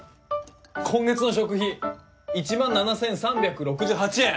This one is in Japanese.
今月の食費１万７，３６８円。